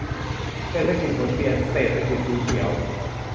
เศรษฐกิจ หมุนเวียน เศรษฐกิจสีเขียว